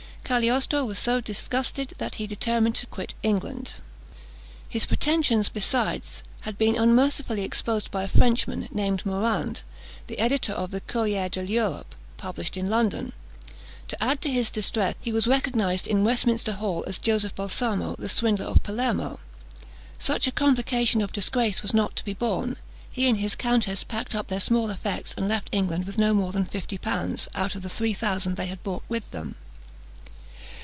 Cagliostro was so disgusted, that he determined to quit England. His pretensions, besides, had been unmercifully exposed by a Frenchman, named Morande, the editor of the Courrier de l'Europe, published in London. To add to his distress, he was recognised in Westminster Hall as Joseph Balsamo, the swindler of Palermo. Such a complication of disgrace was not to be borne. He and his countess packed up their small effects, and left England with no more than fifty pounds, out of the three thousand they had brought with them.